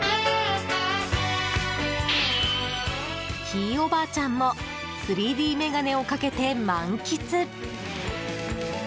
ひいおばあちゃんも３Ｄ眼鏡をかけて満喫。